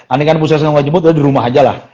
aning an puskesmas gak mau dijemput ya di rumah aja lah